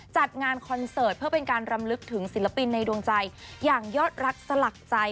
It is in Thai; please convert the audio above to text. จัดงานคอนเสิร์ตเพื่อเป็นการรำลึกถึงศิลปินในดวงใจอย่างยอดรักสลักใจ